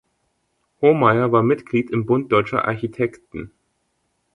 Homeier war Mitglied im Bund Deutscher Architekten.